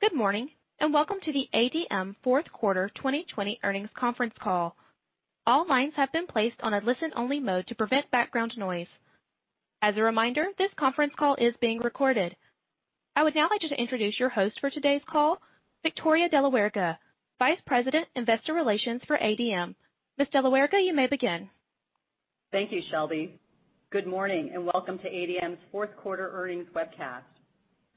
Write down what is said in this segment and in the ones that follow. Good morning, and welcome to the ADM fourth quarter 2020 earnings conference call. All lines have been placed on a listen-only mode to prevent background noise. As a reminder, this conference call is being recorded. I would now like to introduce your host for today's call, Victoria De La Huerga, Vice President, Investor Relations for ADM. Ms. De La Huerga, you may begin. Thank you, Shelby. Good morning and welcome to ADM's fourth quarter earnings webcast.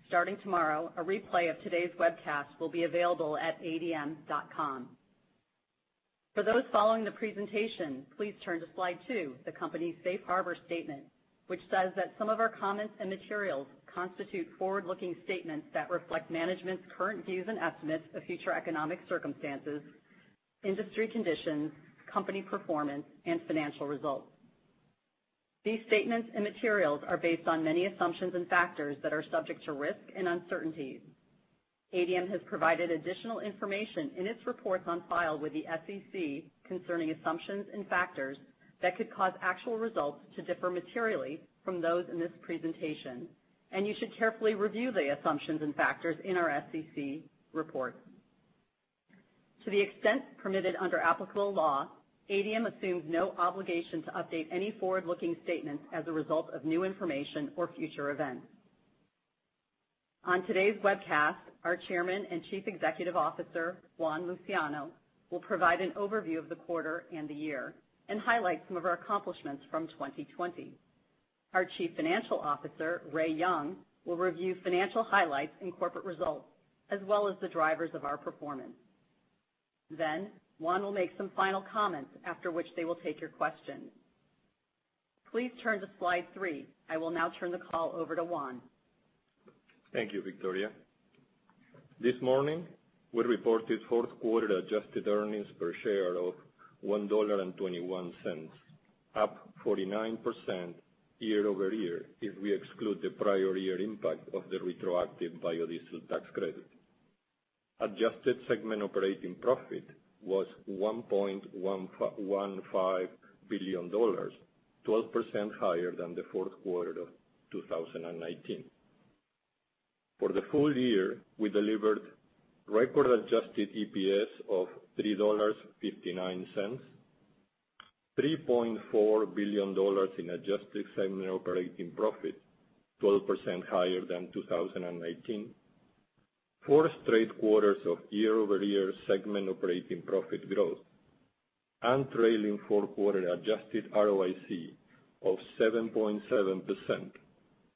Starting tomorrow, a replay of today's webcast will be available at adm.com. For those following the presentation, please turn to slide two, the company's safe harbor statement, which says that some of our comments and materials constitute forward-looking statements that reflect management's current views and estimates of future economic circumstances, industry conditions, company performance, and financial results. These statements and materials are based on many assumptions and factors that are subject to risk and uncertainties. ADM has provided additional information in its reports on file with the SEC concerning assumptions and factors that could cause actual results to differ materially from those in this presentation, and you should carefully review the assumptions and factors in our SEC reports. To the extent permitted under applicable law, ADM assumes no obligation to update any forward-looking statements as a result of new information or future events. On today's webcast, our Chairman and Chief Executive Officer, Juan Luciano, will provide an overview of the quarter and the year and highlight some of our accomplishments from 2020. Our Chief Financial Officer, Ray Young, will review financial highlights and corporate results, as well as the drivers of our performance. Juan will make some final comments, after which they will take your questions. Please turn to slide three. I will now turn the call over to Juan. Thank you, Victoria. This morning, we reported fourth quarter adjusted EPS of $1.21, up 49% year-over-year if we exclude the prior year impact of the retroactive biodiesel tax credit. Adjusted segment operating profit was $1.15 billion, 12% higher than the fourth quarter of 2019. For the full year, we delivered record-adjusted EPS of $3.59, $3.4 billion in adjusted segment operating profit, 12% higher than 2019, four straight quarters of year-over-year segment operating profit growth, and trailing four-quarter adjusted ROIC of 7.7%,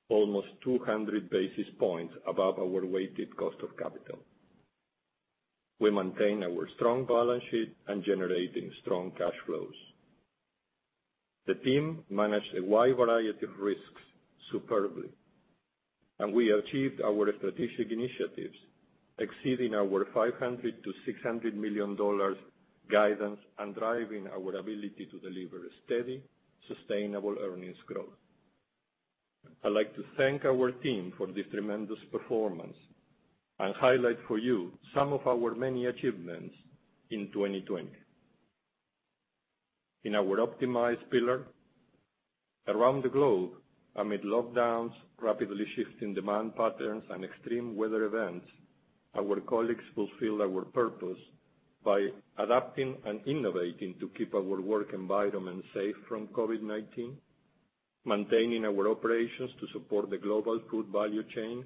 almost 200 basis points above our weighted cost of capital. We maintain our strong balance sheet and generating strong cash flows. The team managed a wide variety of risks superbly, and we achieved our strategic initiatives, exceeding our $500 million-$600 million guidance and driving our ability to deliver steady, sustainable earnings growth. I'd like to thank our team for this tremendous performance and highlight for you some of our many achievements in 2020. In our optimize pillar, around the globe, amid lockdowns, rapidly shifting demand patterns, and extreme weather events, our colleagues fulfilled our purpose by adapting and innovating to keep our work environment safe from COVID-19, maintaining our operations to support the global food value chain,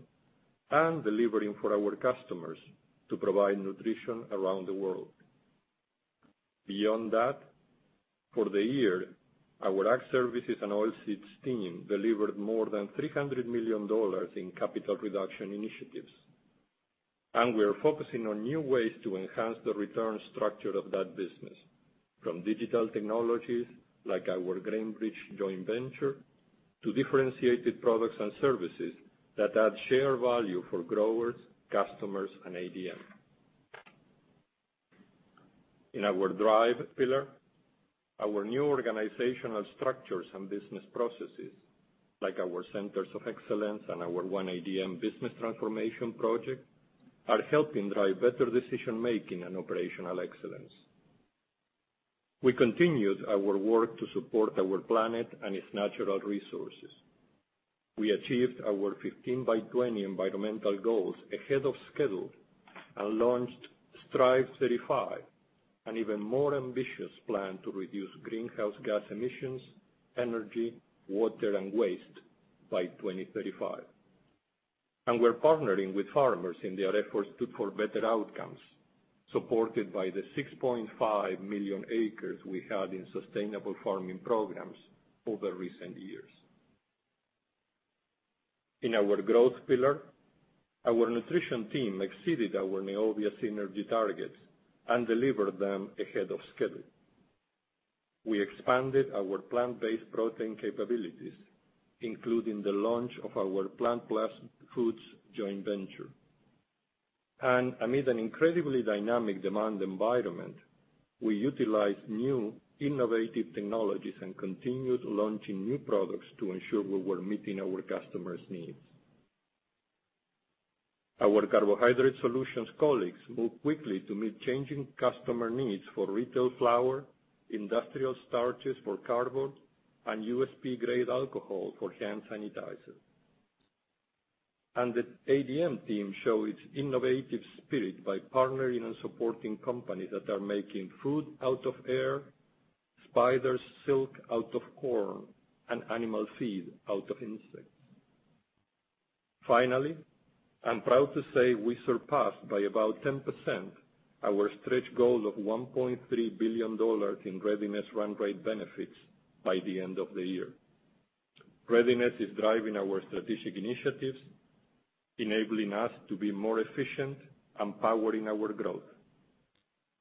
and delivering for our customers to provide nutrition around the world. Beyond that, for the year, our Ag Services & Oilseeds team delivered more than $300 million in capital reduction initiatives. We're focusing on new ways to enhance the return structure of that business, from digital technologies like our GrainBridge joint venture to differentiated products and services that add share value for growers, customers, and ADM. In our drive pillar, our new organizational structures and business processes like our centers of excellence and our 1ADM business transformation project are helping drive better decision-making and operational excellence. We continued our work to support our planet and its natural resources. We achieved our 15 by 20 environmental goals ahead of schedule and launched Strive 2035, an even more ambitious plan to reduce greenhouse gas emissions, energy, water, and waste by 2035. We're partnering with farmers in their efforts to pull better outcomes, supported by the 6.5 million acres we had in sustainable farming programs over recent years. In our growth pillar, our Nutrition team exceeded our Neovia synergy targets and delivered them ahead of schedule. We expanded our plant-based protein capabilities, including the launch of our PlantPlus Foods joint venture. Amid an incredibly dynamic demand environment, we utilized new innovative technologies and continued launching new products to ensure we were meeting our customers' needs. Our Carbohydrate Solutions colleagues moved quickly to meet changing customer needs for retail flour, industrial starches for cardboard and USP-grade alcohol for hand sanitizer. The ADM team show its innovative spirit by partnering and supporting companies that are making food out of air, spider silk out of corn, and animal feed out of insects. Finally, I'm proud to say we surpassed by about 10% our stretch goal of $1.3 billion in Readiness run rate benefits by the end of the year. Readiness is driving our strategic initiatives, enabling us to be more efficient and powering our growth.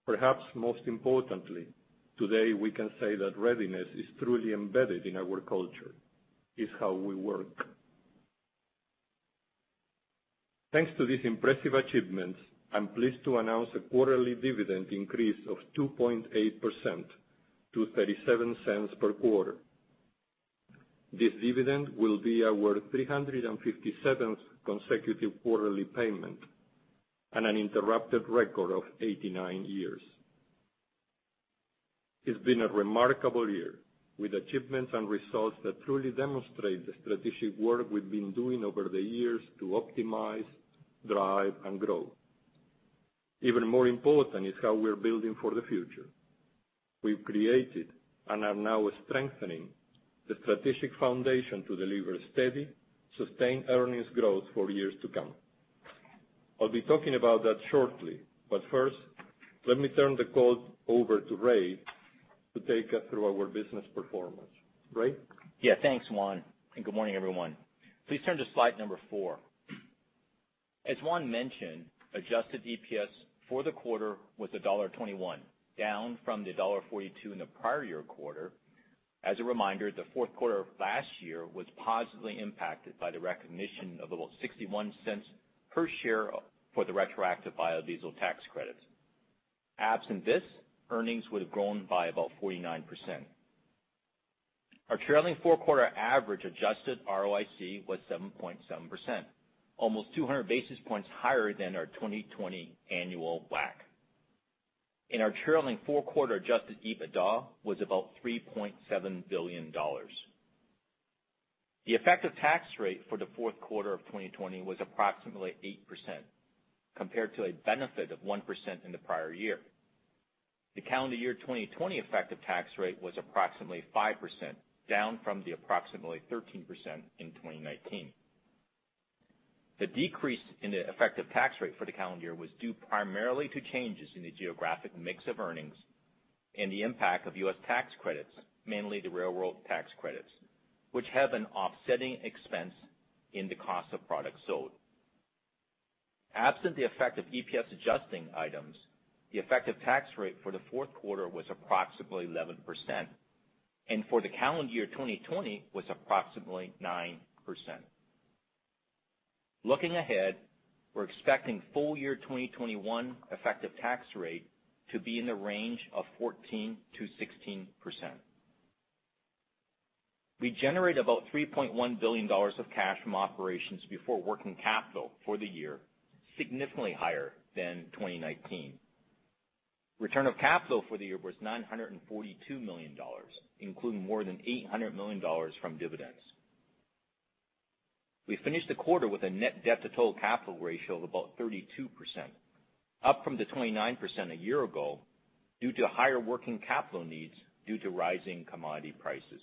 Perhaps most importantly, today, we can say that Readiness is truly embedded in our culture. It's how we work. Thanks to these impressive achievements, I'm pleased to announce a quarterly dividend increase of 2.8% to $0.37 per quarter. This dividend will be our 357th consecutive quarterly payment and an uninterrupted record of 89 years. It's been a remarkable year, with achievements and results that truly demonstrate the strategic work we've been doing over the years to optimize, drive, and grow. Even more important is how we're building for the future. We've created and are now strengthening the strategic foundation to deliver steady, sustained earnings growth for years to come. I'll be talking about that shortly, but first, let me turn the call over to Ray to take us through our business performance. Ray? Thanks, Juan, and good morning, everyone. Please turn to slide number four. As Juan mentioned, adjusted EPS for the quarter was $1.21, down from the $1.42 in the prior year quarter. As a reminder, the fourth quarter of last year was positively impacted by the recognition of about $0.61 per share for the retroactive biodiesel tax credits. Absent this, earnings would have grown by about 49%. Our trailing four-quarter average adjusted ROIC was 7.7%, almost 200 basis points higher than our 2020 annual WACC. Our trailing four-quarter adjusted EBITDA was about $3.7 billion. The effective tax rate for the fourth quarter of 2020 was approximately 8%, compared to a benefit of 1% in the prior year. The calendar year 2020 effective tax rate was approximately 5%, down from the approximately 13% in 2019. The decrease in the effective tax rate for the calendar year was due primarily to changes in the geographic mix of earnings and the impact of U.S. tax credits, mainly the railroad tax credits, which have an offsetting expense in the cost of products sold. Absent the effect of EPS adjusting items, the effective tax rate for the fourth quarter was approximately 11%, and for the calendar year 2020 was approximately 9%. Looking ahead, we're expecting full-year 2021 effective tax rate to be in the range of 14%-16%. We generated about $3.1 billion of cash from operations before working capital for the year, significantly higher than 2019. Return of capital for the year was $942 million, including more than $800 million from dividends. We finished the quarter with a net debt to total capital ratio of about 32%, up from the 29% a year ago due to higher working capital needs due to rising commodity prices.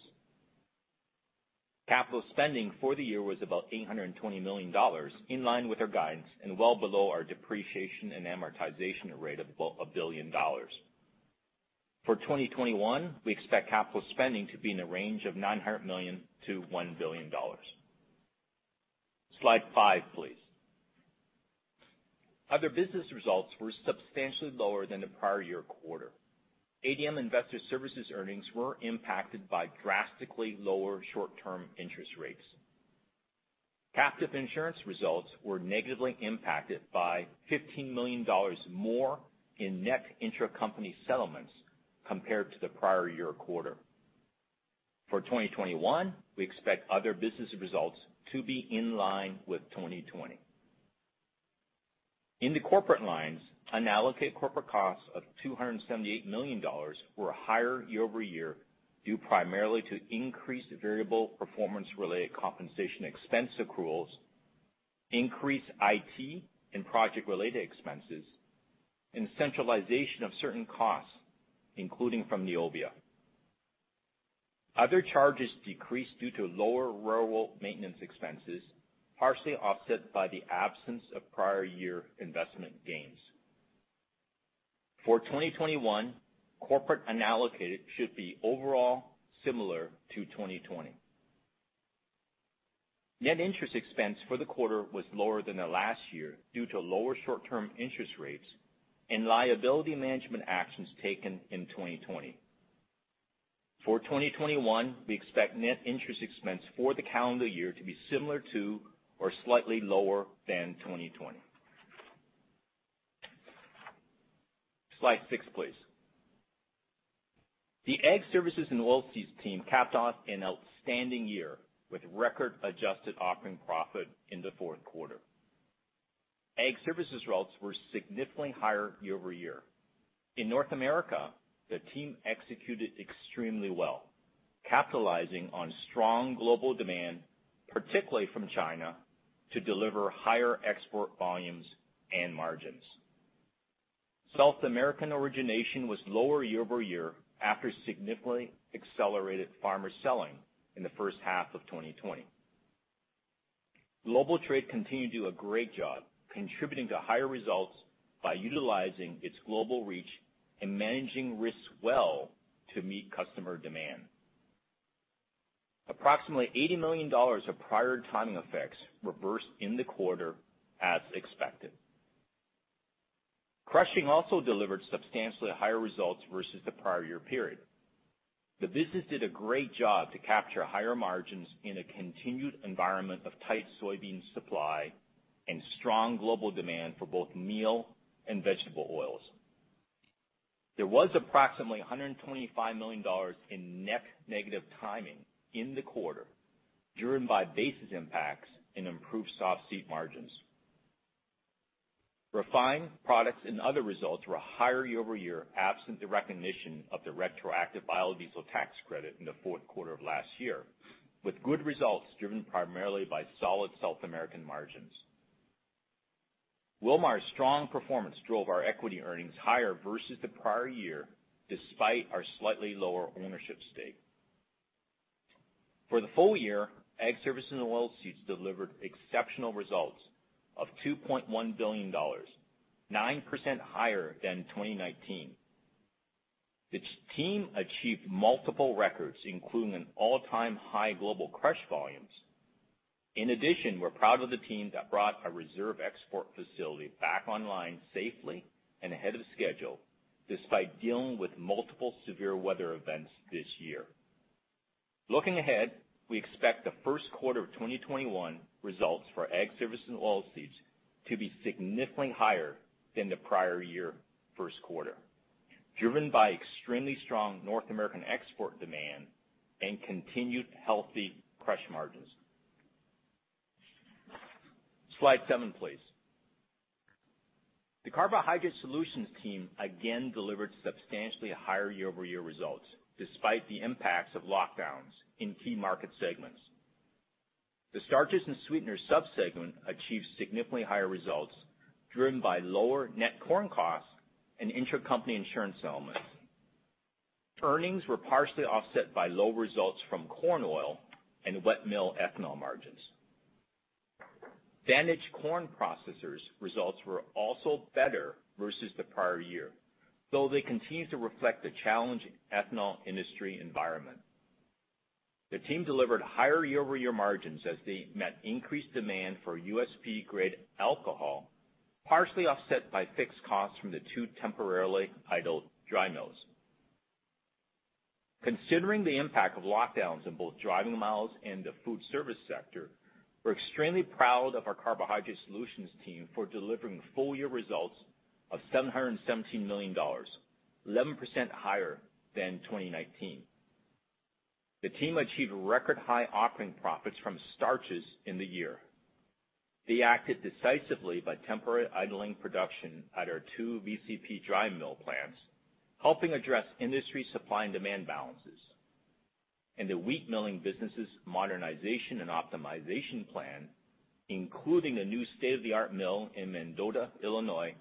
Capital spending for the year was about $820 million, in line with our guidance, and well below our depreciation and amortization rate of $1 billion. For 2021, we expect capital spending to be in the range of $900 million-$1 billion. Slide five, please. Other business results were substantially lower than the prior year quarter. ADM Investor Services earnings were impacted by drastically lower short-term interest rates. Captive insurance results were negatively impacted by $15 million more in net intracompany settlements compared to the prior year quarter. For 2021, we expect other business results to be in line with 2020. In the corporate lines, unallocated corporate costs of $278 million were higher year-over-year, due primarily to increased variable performance-related compensation expense accruals, increased IT and project-related expenses, and centralization of certain costs, including from Neovia. Other charges decreased due to lower railroad maintenance expenses, partially offset by the absence of prior year investment gains. For 2021, corporate unallocated should be overall similar to 2020. Net interest expense for the quarter was lower than the last year due to lower short-term interest rates and liability management actions taken in 2020. For 2021, we expect net interest expense for the calendar year to be similar to or slightly lower than 2020. Slide six, please. The Ag Services & Oilseeds team capped off an outstanding year with record adjusted operating profit in the fourth quarter. Ag Services results were significantly higher year-over-year. In North America, the team executed extremely well, capitalizing on strong global demand, particularly from China, to deliver higher export volumes and margins. South American origination was lower year-over-year after significantly accelerated farmer selling in the first half of 2020. Global trade continued to do a great job contributing to higher results by utilizing its global reach and managing risks well to meet customer demand. Approximately $80 million of prior timing effects reversed in the quarter as expected. Crushing also delivered substantially higher results versus the prior year period. The business did a great job to capture higher margins in a continued environment of tight soybean supply and strong global demand for both meal and vegetable oils. There was approximately $125 million in net negative timing in the quarter, driven by basis impacts and improved softseed margins. Refined products and other results were higher year-over-year, absent the recognition of the retroactive biodiesel tax credit in the fourth quarter of last year, with good results driven primarily by solid South American margins. Wilmar's strong performance drove our equity earnings higher versus the prior year, despite our slightly lower ownership stake. For the full year, Ag Services & Oilseeds delivered exceptional results of $2.1 billion, 9% higher than 2019. It's team achieved multiple records, including an all-time high global crush volumes. In addition, we're proud of the team that brought a reserve export facility back online safely and ahead of schedule, despite dealing with multiple severe weather events this year. Looking ahead, we expect the first quarter of 2021 results for Ag Services & Oilseeds to be significantly higher than the prior year first quarter, driven by extremely strong North American export demand and continued healthy crush margins. Slide seven, please. The Carbohydrate Solutions team again delivered substantially higher year-over-year results, despite the impacts of lockdowns in key market segments. The starches and sweeteners sub-segment achieved significantly higher results, driven by lower net corn costs and intercompany insurance settlements. Earnings were partially offset by low results from corn oil and wet mill ethanol margins. Vantage Corn Processors results were also better versus the prior year, though they continue to reflect the challenging ethanol industry environment. The team delivered higher year-over-year margins as they met increased demand for USP-grade alcohol, partially offset by fixed costs from the two temporarily idle dry mills. Considering the impact of lockdowns in both driving mills and the food service sector, we're extremely proud of our Carbohydrate Solutions team for delivering full-year results of $717 million, 11% higher than 2019. The team achieved record high operating profits from starches in the year. They acted decisively by temporary idling production at our two VCP dry mill plants, helping address industry supply and demand balances. The wheat milling business's modernization and optimization plan, including a new state-of-the-art mill in Mendota, Illinois,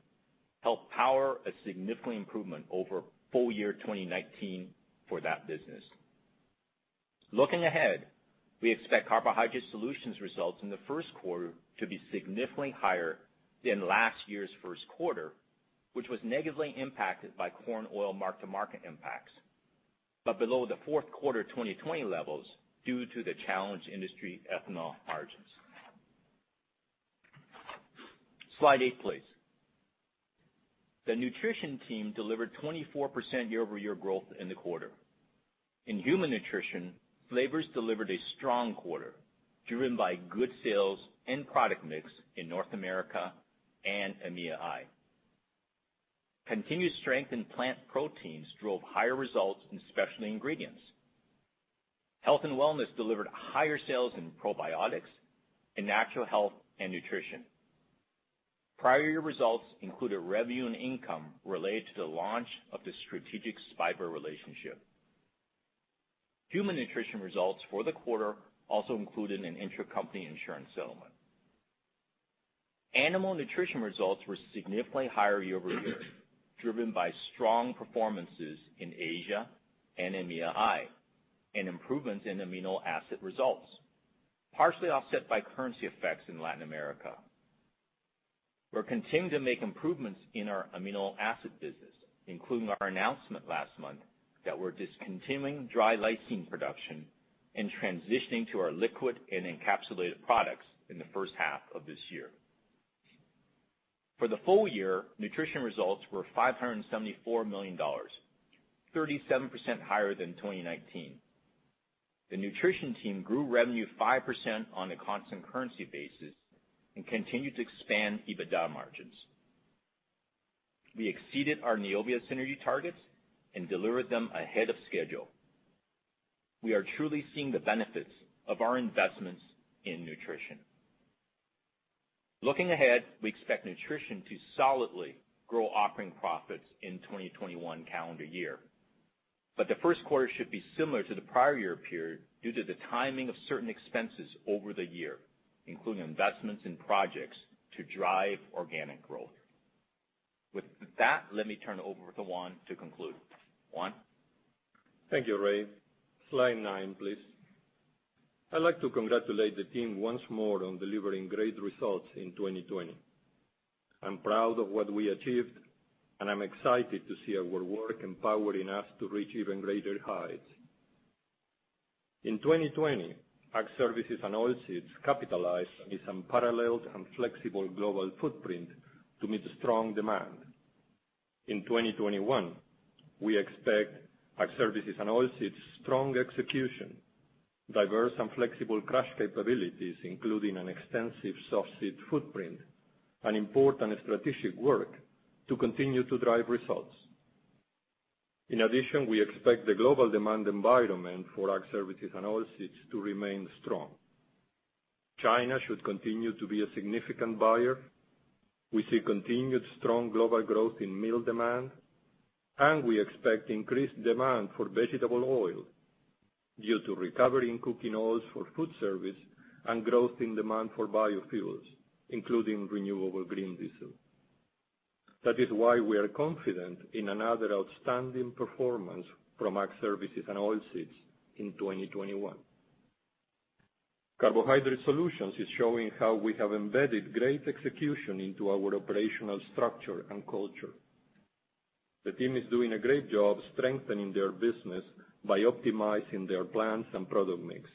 helped power a significant improvement over full year 2019 for that business. Looking ahead, we expect Carbohydrate Solutions results in the first quarter to be significantly higher than last year's first quarter, which was negatively impacted by corn oil mark-to-market impacts, but below the fourth quarter 2020 levels due to the challenged industry ethanol margins. Slide eight, please. The Nutrition team delivered 24% year-over-year growth in the quarter. In Human Nutrition, flavors delivered a strong quarter, driven by good sales and product mix in North America and EMEAI. Continued strength in plant proteins drove higher results in Specialty Ingredients. health and wellness delivered higher sales in probiotics and natural health and Nutrition. Prior year results include a revenue and income related to the launch of the strategic Spiber relationship. Human Nutrition results for the quarter also included an intercompany insurance sgement. Animal Nutrition results were significantly higher year-over-year, driven by strong performances in Asia and EMEAI, and improvements in amino acid results, partially offset by currency effects in Latin America. We're continuing to make improvements in our amino acid business, including our announcement last month that we're discontinuing dry lysine production and transitioning to our liquid and encapsulated products in the first half of this year. For the full year, Nutrition results were $574 million, 37% higher than 2019. The Nutrition team grew revenue 5% on a constant currency basis and continued to expand EBITDA margins. We exceeded our Neovia synergy targets and delivered them ahead of schedule. We are truly seeing the benefits of our investments in Nutrition. Looking ahead, we expect Nutrition to solidly grow operating profits in 2021 calendar year. The first quarter should be similar to the prior year period due to the timing of certain expenses over the year, including investments in projects to drive organic growth. With that, let me turn it over to Juan to conclude. Juan? Thank you, Ray. Slide nine, please. I'd like to congratulate the team once more on delivering great results in 2020. I'm proud of what we achieved, and I'm excited to see our work empowering us to reach even greater heights. In 2020, Ag Services & Oilseeds capitalized on its unparalleled and flexible global footprint to meet strong demand. In 2021, we expect Ag Services & Oilseeds strong execution, diverse and flexible crush capabilities, including an extensive soft seed footprint, and important strategic work to continue to drive results. In addition, we expect the global demand environment for Ag Services & Oilseeds to remain strong. China should continue to be a significant buyer. We see continued strong global growth in meal demand, and we expect increased demand for vegetable oil due to recovery in cooking oils for food service and growth in demand for biofuels, including renewable green diesel. That is why we are confident in another outstanding performance from Ag Services & Oilseeds in 2021. Carbohydrate Solutions is showing how we have embedded great execution into our operational structure and culture. The team is doing a great job strengthening their business by optimizing their plants and product mix.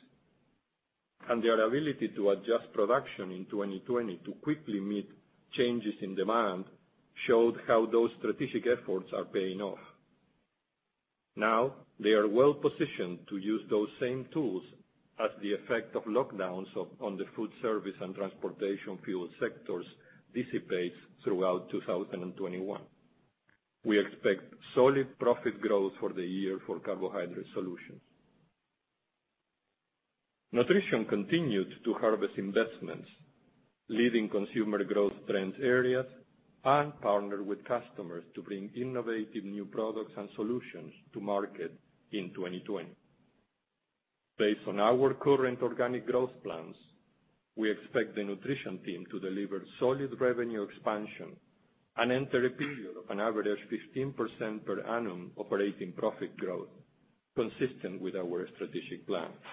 Their ability to adjust production in 2020 to quickly meet changes in demand showed how those strategic efforts are paying off. They are well-positioned to use those same tools as the effect of lockdowns on the food service and transportation fuel sectors dissipates throughout 2021. We expect solid profit growth for the year for Carbohydrate Solutions. Nutrition continued to harvest investments, lead in consumer growth trend areas, and partner with customers to bring innovative new products and solutions to market in 2020. Based on our current organic growth plans, we expect the Nutrition team to deliver solid revenue expansion and enter a period of an average 15% per annum operating profit growth consistent with our strategic plans.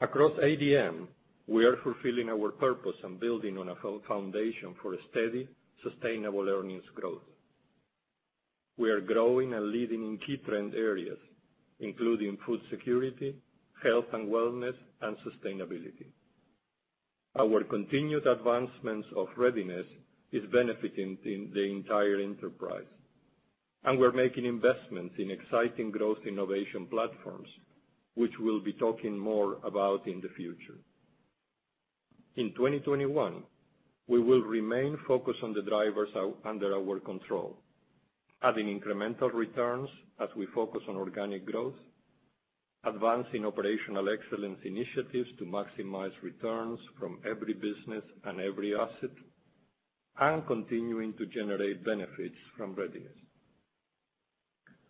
Across ADM, we are fulfilling our purpose and building on a foundation for steady, sustainable earnings growth. We are growing and leading in key trend areas, including food security, health and wellness, and sustainability. Our continued advancements of Readiness is benefiting the entire enterprise and we're making investments in exciting growth innovation platforms, which we'll be talking more about in the future. In 2021, we will remain focused on the drivers under our control, adding incremental returns as we focus on organic growth, advancing operational excellence initiatives to maximize returns from every business and every asset, and continuing to generate benefits from Readiness.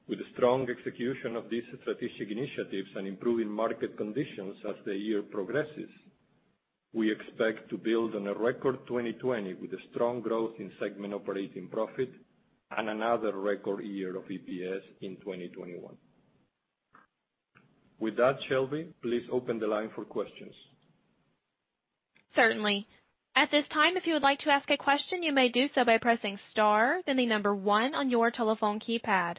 With strong execution of these strategic initiatives and improving market conditions as the year progresses, we expect to build on a record 2020 with a strong growth in segment operating profit and another record year of EPS in 2021. With that, Shelby, please open the line for questions. Certainly at this time, if you would like to ask a question, you may do so presing star then a number one on your telephone keypad.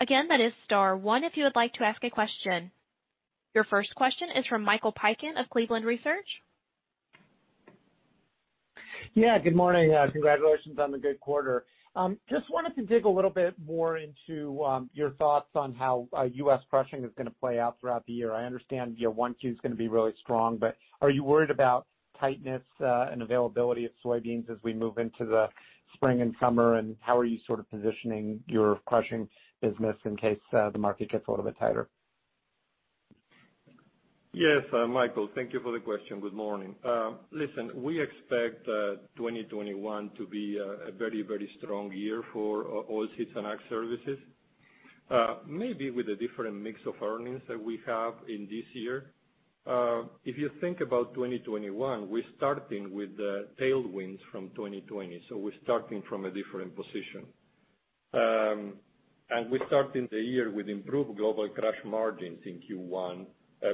Again, that is star and one if you would like to ask a question. Your first question is from Michael Piken of Cleveland Research. Good morning. Congratulations on the good quarter. Just wanted to dig a little bit more into your thoughts on how U.S. crushing is going to play out throughout the year. I understand your Q1 is going to be really strong, but are you worried about tightness and availability of soybeans as we move into the spring and summer? How are you positioning your crushing business in case the market gets a little bit tighter? Yes, Michael, thank you for the question. Good morning. Listen, we expect 2021 to be a very strong year for Oilseeds & Ag Services. Maybe with a different mix of earnings that we have in this year. If you think about 2021, we're starting with the tailwinds from 2020, so we're starting from a different position. We're starting the year with improved global crush margins in Q1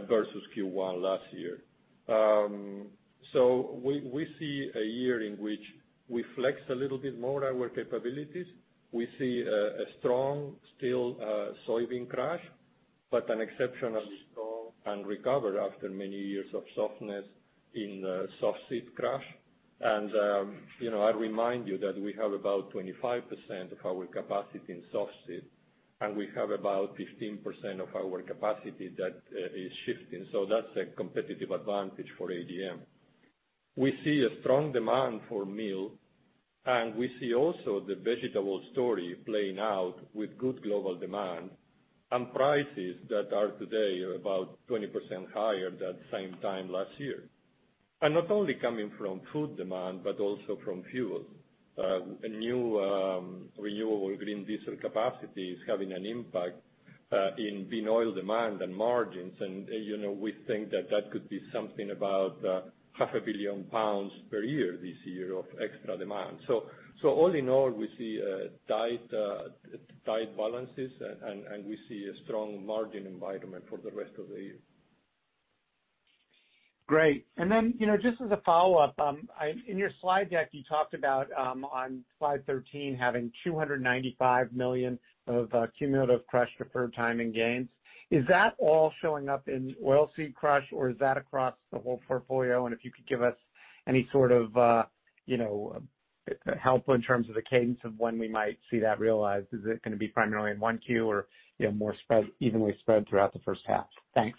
versus Q1 last year. We see a year in which we flex a little bit more our capabilities. We see a strong, still, soybean crush, but an exceptionally strong and recovered after many years of softness in soft seed crush. I remind you that we have about 25% of our capacity in softseed. We have about 15% of our capacity that is shifting. That's a competitive advantage for ADM. We see a strong demand for meal, we see also the vegetable story playing out with good global demand and prices that are today about 20% higher than same time last year. Not only coming from food demand, but also from fuel. A new renewable green diesel capacity is having an impact in bean oil demand and margins, we think that that could be something about 500 million pounds per year this year of extra demand. All in all, we see tight balances and we see a strong margin environment for the rest of the year. Great. Just as a follow-up, in your slide deck, you talked about on slide 13 having $295 million of cumulative crush deferred timing gains. Is that all showing up in oilseed crush, or is that across the whole portfolio? If you could give us any sort of helpful in terms of the cadence of when we might see that realized. Is it going to be primarily in 1Q or more evenly spread throughout the first half? Thanks.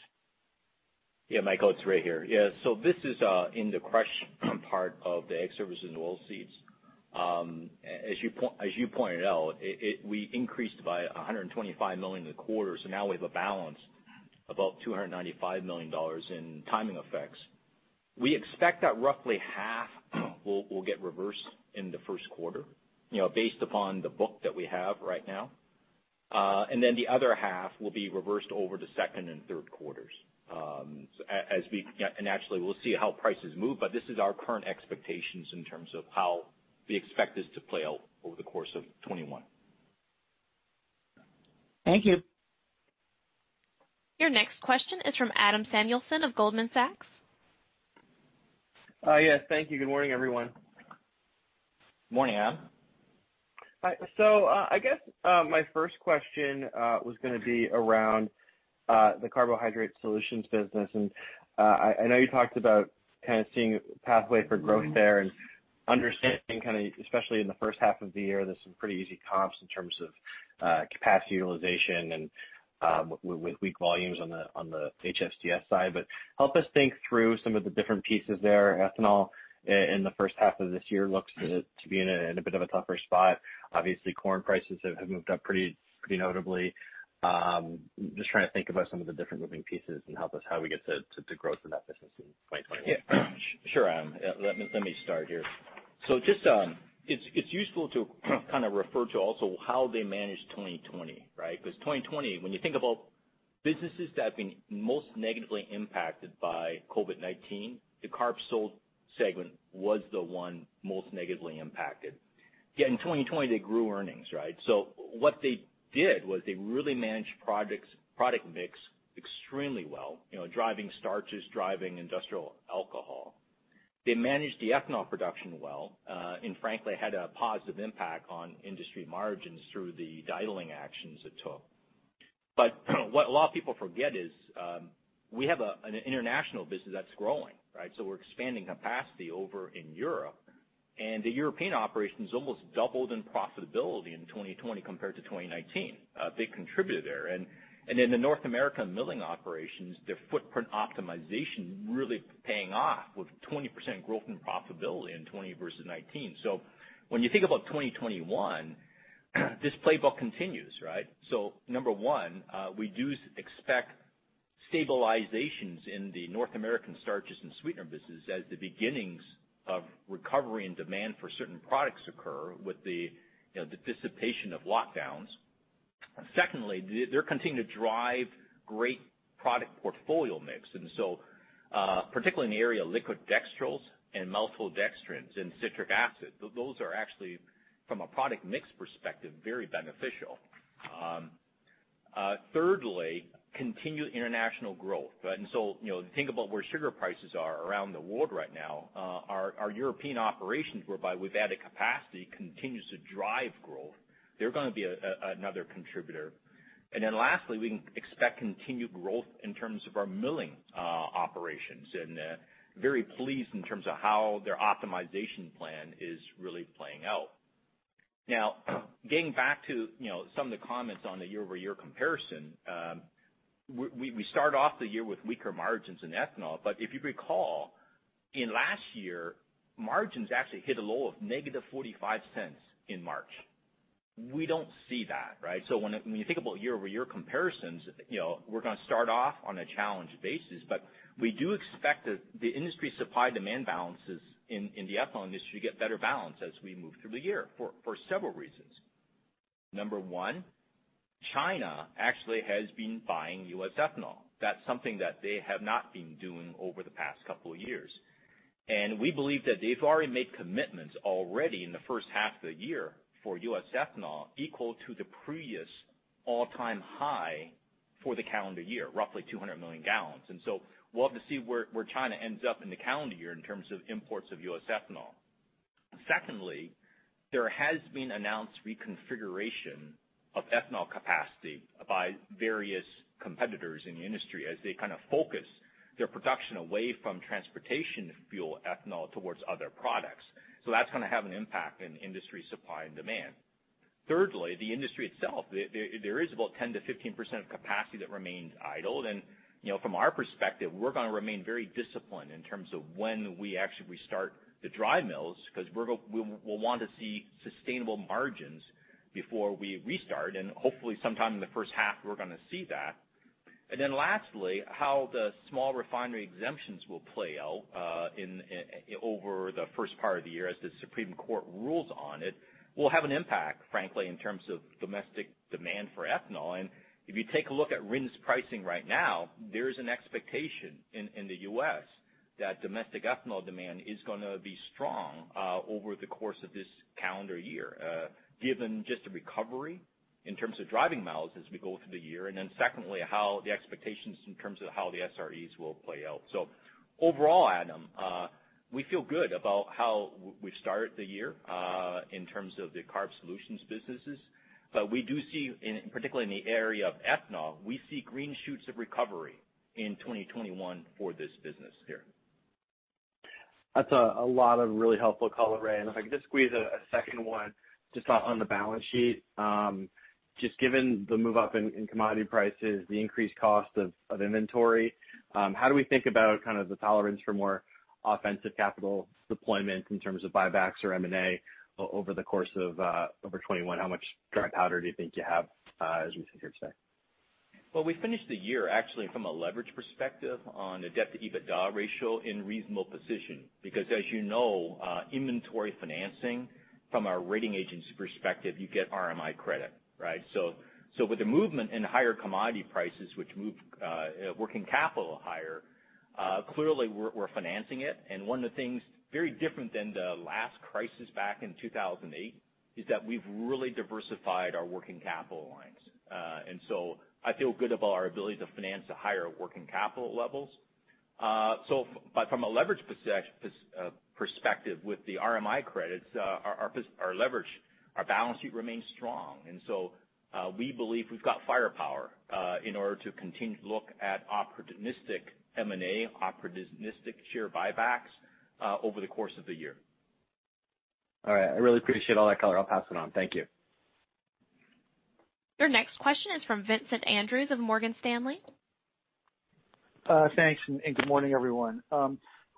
Yeah, Michael, it's Ray here. Yeah. This is in the crush part of Ag Services & Oilseeds. As you pointed out, we increased by $125 million in the quarter, so now we have a balance of about $295 million in timing effects. We expect that roughly half will get reversed in the first quarter based upon the book that we have right now. Then the other half will be reversed over the second and third quarters. Actually, we'll see how prices move, but this is our current expectations in terms of how we expect this to play out over the course of 2021. Thank you. Your next question is from Adam Samuelson of Goldman Sachs. Yes. Thank you. Good morning, everyone. Morning, Adam. Hi. I guess my first question was going to be around the Carbohydrate Solutions business. I know you talked about kind of seeing a pathway for growth there and understanding kind of, especially in the first half of the year, there's some pretty easy comps in terms of capacity utilization and with weak volumes on the HFCS side. Help us think through some of the different pieces there. Ethanol in the first half of this year looks to be in a bit of a tougher spot. Obviously, corn prices have moved up pretty notably. Just trying to think about some of the different moving pieces and help us how we get to growth in that business in 2021. Yeah. Sure, Adam. Let me start here. Just it's useful to kind of refer to also how they managed 2020, right? Because 2020, when you think about businesses that have been most negatively impacted by COVID-19, the CarbSol segment was the one most negatively impacted. Yet in 2020, they grew earnings, right? What they did was they really managed product mix extremely well, driving starches, driving industrial alcohol. They managed the ethanol production well, and frankly, had a positive impact on industry margins through the dialing actions it took. What a lot of people forget is we have an international business that's growing, right? We're expanding capacity over in Europe. The European operations almost doubled in profitability in 2020 compared to 2019. Big contributor there. In the North American milling operations, their footprint optimization really paying off with 20% growth in profitability in 2020 versus 2019. When you think about 2021, this playbook continues, right? Number one, we do expect stabilizations in the North American starches and sweetener business as the beginnings of recovery and demand for certain products occur with the dissipation of lockdowns. Secondly, they're continuing to drive great product portfolio mix. Particularly in the area of liquid dextrose and maltodextrins and citric acid, those are actually, from a product mix perspective, very beneficial. Thirdly, continued international growth and so think about where sugar prices are around the world right now. Our European operations, whereby we've added capacity, continues to drive growth. They're going to be another contributor and then lastly, we expect continued growth in terms of our milling operations, and very pleased in terms of how their optimization plan is really playing out. Now getting back to some of the comments on the year-over-year comparison, we start off the year with weaker margins in ethanol, but if you recall, in last year, margins actually hit a low of $-0.45 in March. We don't see that, right? When you think about year-over-year comparisons, we're going to start off on a challenged basis, but we do expect that the industry supply-demand balances in the ethanol industry to get better balance as we move through the year for several reasons. Number one, China actually has been buying U.S. ethanol. That's something that they have not been doing over the past couple of years. We believe that they've already made commitments already in the first half of the year for U.S. ethanol equal to the previous all-time high for the calendar year, roughly 200 million gal. We'll have to see where China ends up in the calendar year in terms of imports of U.S. ethanol. Secondly, there has been announced reconfiguration of ethanol capacity by various competitors in the industry as they kind of focus their production away from transportation fuel ethanol towards other products so that's going to have an impact in industry supply and demand. Thirdly, the industry itself, there is about 10%-15% of capacity that remains idled. From our perspective, we're going to remain very disciplined in terms of when we actually restart the dry mills, because we'll want to see sustainable margins before we restart. Hopefully sometime in the first half, we're going to see that. Lastly, how the small refinery exemptions will play out over the first part of the year as the Supreme Court rules on it, will have an impact, frankly, in terms of domestic demand for ethanol. If you take a look at RINs' pricing right now, there is an expectation in the U.S. that domestic ethanol demand is going to be strong over the course of this calendar year. Given just a recovery in terms of driving miles as we go through the year, and then secondly, how the expectations in terms of how the SREs will play out. Overall, Adam, we feel good about how we've started the year in terms of the Carb Solutions businesses. We do see, particularly in the area of ethanol, we see green shoots of recovery in 2021 for this business here. That's a lot of really helpful color, Ray. If I could just squeeze a second one just on the balance sheet. Just given the move up in commodity prices, the increased cost of inventory, how do we think about the tolerance for more offensive capital deployment in terms of buybacks or M&A over the course of over 2021? How much dry powder do you think you have as we sit here today? Well, we finished the year actually from a leverage perspective on a debt-to-EBITDA ratio in reasonable position because as you know, inventory financing from a rating agency perspective, you get RMI credit. With the movement in higher commodity prices, which move working capital higher, clearly we're financing it. One of the things very different than the last crisis back in 2008 is that we've really diversified our working capital lines. I feel good about our ability to finance the higher working capital levels. From a leverage perspective with the RMI credits, our leverage, our balance sheet remains strong. We believe we've got firepower in order to continue to look at opportunistic M&A, opportunistic share buybacks over the course of the year. All right. I really appreciate all that color. I'll pass it on. Thank you. Your next question is from Vincent Andrews of Morgan Stanley. Thanks, good morning, everyone.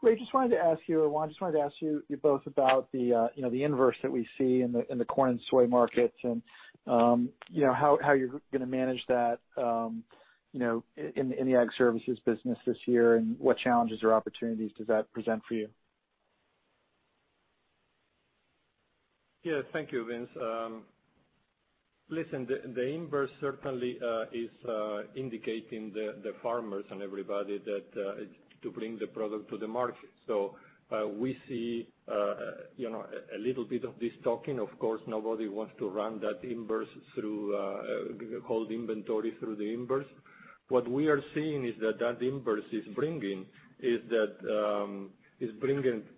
Ray, I just wanted to ask you both about the inverse that we see in the corn and soy markets and how you're going to manage that in the Ag Services business this year. What challenges or opportunities does that present for you? Yeah, thank you, Vince. Listen, the inverse certainly is indicating the farmers and everybody to bring the product to the market. We see a little bit of this talking. Of course, nobody wants to run that inverse, hold inventory through the inverse. What we are seeing is that that inverse is bringing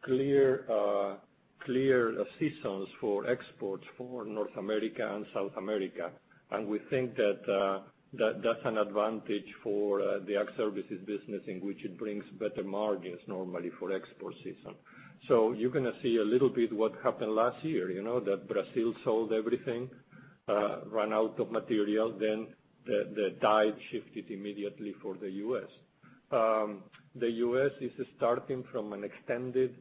clear seasons for exports for North America and South America. We think that's an advantage for the Ag Services business in which it brings better margins normally for export season. You're going to see a little bit what happened last year. Brazil sold everything, ran out of material, then the tide shifted immediately for the U.S. The U.S. is starting from an extended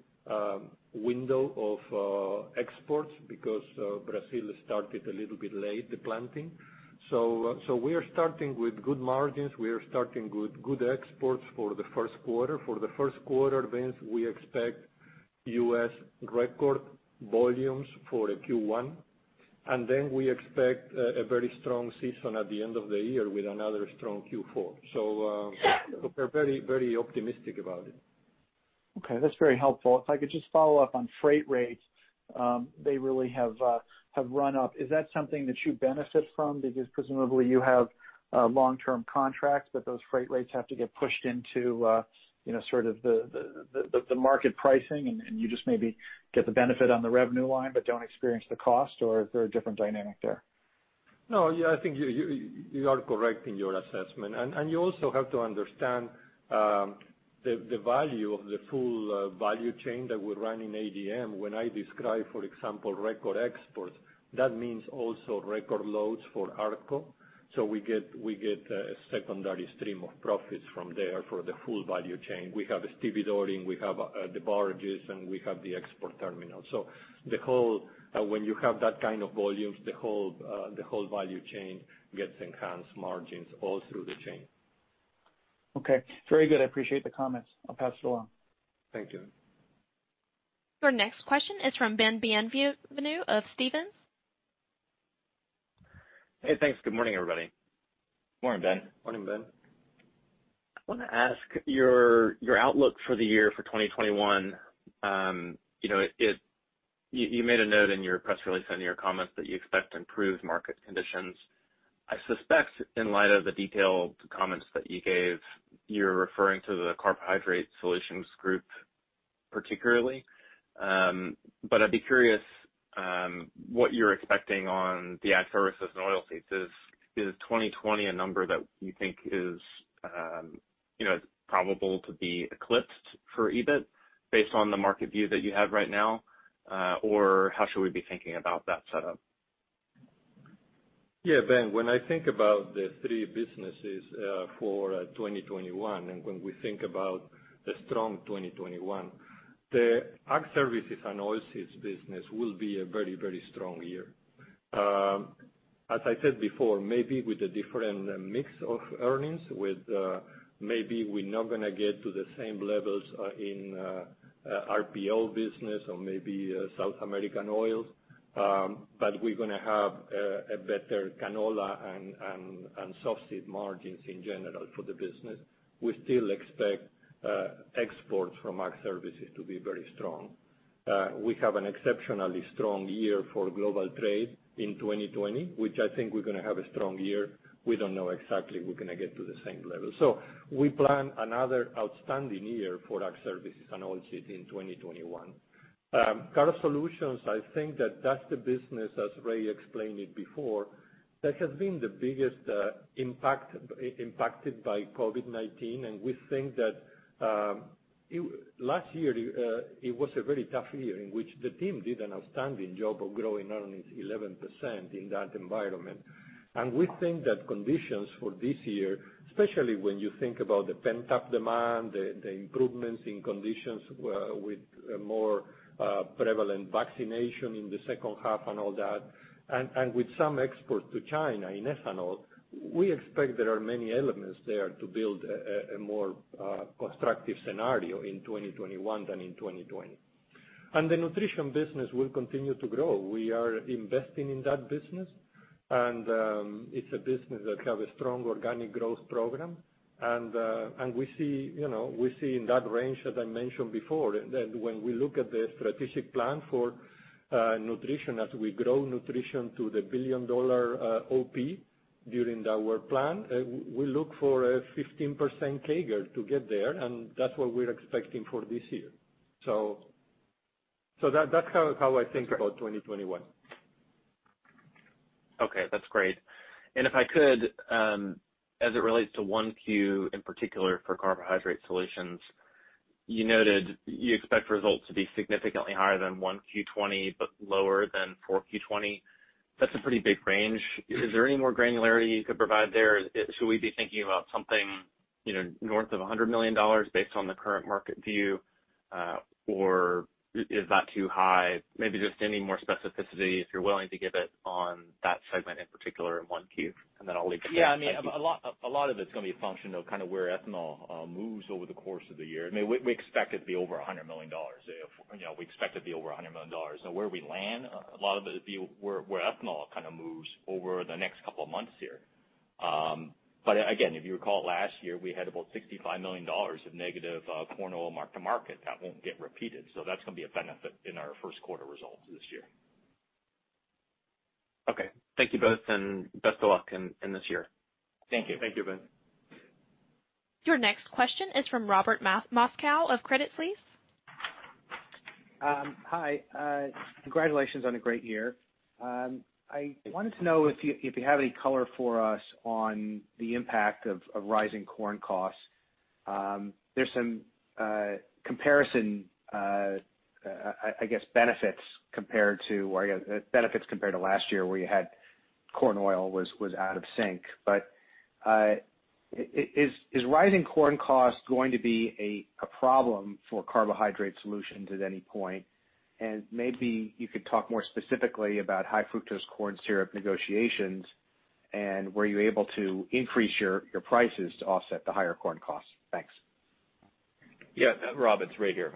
window of exports because Brazil started a little bit late, the planting. We are starting with good margins. We are starting good exports for the first quarter. For the first quarter, Vince, we expect U.S. record volumes for a Q1, and then we expect a very strong season at the end of the year with another strong Q4 so we're very optimistic about it. Okay, that's very helpful. If I could just follow up on freight rates. They really have run up. Is that something that you benefit from because presumably you have long-term contracts, but those freight rates have to get pushed into sort of the market pricing, and you just maybe get the benefit on the revenue line but don't experience the cost, or is there a different dynamic there? No. I think you are correct in your assessment. You also have to understand the value of the full value chain that we run in ADM. When I describe, for example, record exports, that means also record loads for ARTCO. We get a secondary stream of profits from there for the full value chain. We have the stevedoring, we have the barges, and we have the export terminal. When you have that kind of volumes, the whole value chain gets enhanced margins all through the chain. Okay. Very good. I appreciate the comments. I'll pass it along. Thank you. Your next question is from Ben Bienvenu of Stephens. Hey, thanks. Good morning, everybody. Morning, Ben. Morning, Ben. I want to ask your outlook for the year for 2021. You made a note in your press release and your comments that you expect improved market conditions. I suspect in light of the detailed comments that you gave, you're referring to the Carbohydrate Solutions group particularly. I'd be curious what you're expecting on the Ag Services & Oilseeds. Is 2020 a number that you think is probable to be eclipsed for EBIT based on the market view that you have right now, or how should we be thinking about that setup? Yeah, Ben, when I think about the three businesses for 2021, and when we think about the strong 2021, the Ag Services & Oilseeds business will be a very strong year. As I said before, maybe with a different mix of earnings, maybe we're not going to get to the same levels in RPO business or maybe South American oils. We're going to have a better canola and soft seed margins in general for the business. We still expect exports from Ag Services to be very strong. We have an exceptionally strong year for global trade in 2020, which I think we're going to have a strong year. We don't know exactly we're going to get to the same level. We plan another outstanding year for Ag Services & Oilseeds in 2021. CarbSolutions, I think that that's the business, as Ray explained it before, that has been the biggest impacted by COVID-19. We think that last year, it was a very tough year in which the team did an outstanding job of growing earnings 11% in that environment. We think that conditions for this year, especially when you think about the pent-up demand, the improvements in conditions with more prevalent vaccination in the second half and all that, and with some exports to China in ethanol, we expect there are many elements there to build a more constructive scenario in 2021 than in 2020. The Nutrition business will continue to grow. We are investing in that business, and it's a business that has a strong organic growth program. We see in that range as I mentioned before, that when we look at the strategic plan for Nutrition, as we grow Nutrition to the $1 billion OP during our plan, we look for a 15% CAGR to get there, and that's what we're expecting for this year. That's how I think about 2021. Okay, that's great. If I could, as it relates to 1Q in particular for Carbohydrate Solutions, you noted you expect results to be significantly higher than 1Q 2020, but lower than 4Q 2020, that's a pretty big range. Is there any more granularity you could provide there? Should we be thinking about something north of $100 million based on the current market view or is that too high? Maybe just any more specificity, if you're willing to give it on that segment in particular in 1Q, and then I'll leave it there. Yeah, a lot of it's going to be a function of kind of where ethanol moves over the course of the year. We expect it to be over $100 million. Where we land, a lot of it will be where ethanol kind of moves over the next couple of months here. Again, if you recall last year, we had about $65 million of negative corn oil mark-to-market. That won't get repeated. That's going to be a benefit in our first quarter results this year. Okay. Thank you both, and best of luck in this year. Thank you. Thank you, Ben. Your next question is from Robert Moskow of Credit Suisse. Hi. Congratulations on a great year. I wanted to know if you have any color for us on the impact of rising corn costs. There's some comparison, I guess, benefits compared to last year, where you had corn oil was out of sync. Is rising corn cost going to be a problem for Carbohydrate Solutions at any point? Maybe you could talk more specifically about high fructose corn syrup negotiations, were you able to increase your prices to offset the higher corn costs? Thanks. Yeah, Rob, it's Ray here.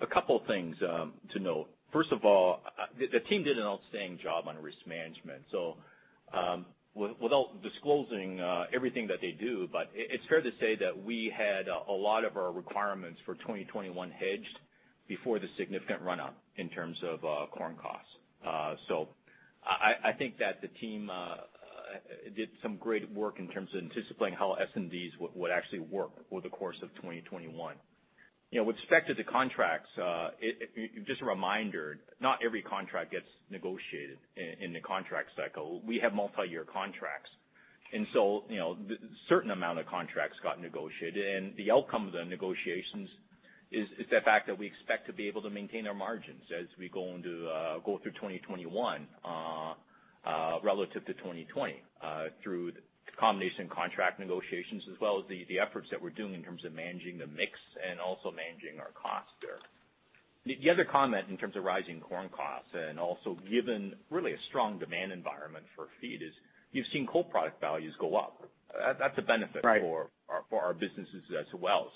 A couple things to note. First of all, the team did an outstanding job on risk management. Without disclosing everything that they do, but it's fair to say that we had a lot of our requirements for 2021 hedged before the significant run-up in terms of corn costs. I think that the team did some great work in terms of anticipating how S&Ds would actually work over the course of 2021. With respect to the contracts, just a reminder, not every contract gets negotiated in the contract cycle. We have multi-year contracts. A certain amount of contracts got negotiated, and the outcome of the negotiations is the fact that we expect to be able to maintain our margins as we go through 2021 relative to 2020, through the combination contract negotiations as well as the efforts that we're doing in terms of managing the mix and also managing our costs there. The other comment in terms of rising corn costs and also given really a strong demand environment for feed is you've seen co-product values go up. That's a benefit- Right ...for our businesses as well.